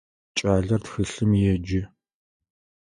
Кӏалэр тхылъым еджэ.